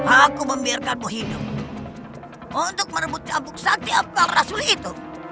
aku membiarkanmu hidup untuk merebut cabut sati ambal rasul itu